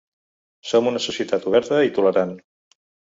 Som una societat oberta i tolerant.